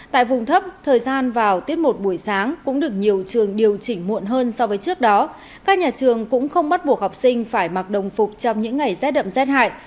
tại vùng thấp thời gian vào tiết một buổi sáng cũng được nhiều trường điều chỉnh muộn hơn so với trước đó các nhà trường cũng không bắt buộc học sinh phải mặc đồng phục trong những ngày rét đậm rét hại